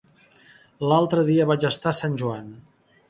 L'altre dia vaig estar a Sant Joan.